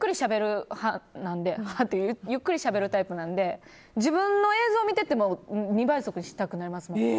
私もゆっくりしゃべるタイプなので自分の映像を見てても２倍速にしたくなりますもん。